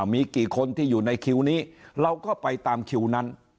มีกี่คนที่อยู่ในคิวนี้เราก็ไปตามคิวนั้น